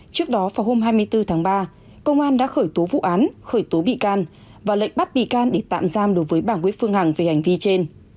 trước đó vào hôm hai mươi bốn tháng ba công an đã khởi tố vụ án khởi tố bị can và lệnh bắt bị can để tạm giam đối với bảng quyết phương hằng về hành vi trên